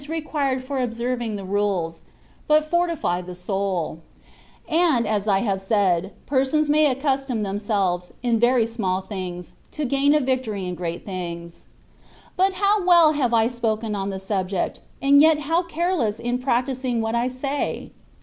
required for observing the rules, but fortify the soul; and (as I have said), persons may accustom themselves, in very small things, to gain a victory in great things. But how well have I spoken on the subject, and yet how careless in practising what I say